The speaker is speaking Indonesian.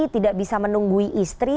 tidak bisa menunggu istri